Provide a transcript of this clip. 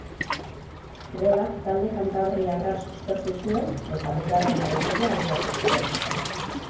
Golak talde kantabriarra suspertu zuen eta bigarrenaren bila abiatu ziren.